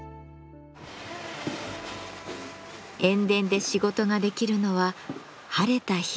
塩田で仕事ができるのは晴れた日だけ。